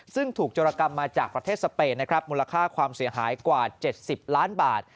ซึ่งถูกจรกรรมมาจากประเทศสเปนนะครับมูลค่าความเสียหายกว่า๗๐ล้านบาท